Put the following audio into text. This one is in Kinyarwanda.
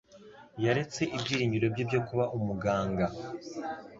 yaretse ibyiringiro bye byo kuba umuganga.